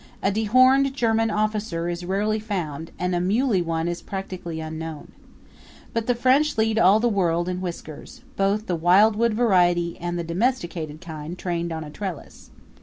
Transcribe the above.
A dehorned German officer is rarely found and a muley one is practically unknown. But the French lead all the world in whiskers both the wildwood variety and the domesticated kind trained on a trellis.